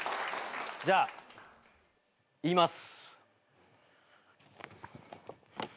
じゃあ言います。